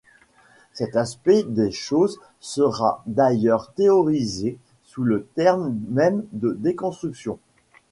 Cet aspect des choses sera d'ailleurs théorisé sous le terme même de Déconstruction.